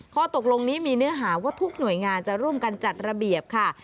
ข้อตกลงนี้มีเนื้อหาว่าทุกหน่วยงานจะร่วมกันจัดระเบียบค่ะ